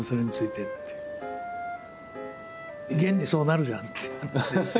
現にそうなるじゃんっていう話です。